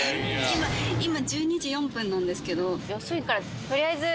今１２時４分なんですけど。